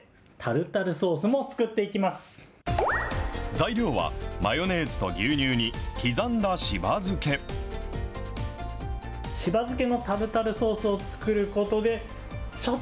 材料は、マヨネーズと牛乳に刻んだしば漬け。